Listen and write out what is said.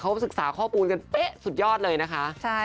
เขาศึกษาข้อมูลกันเป๊ะสุดยอดเลยนะคะ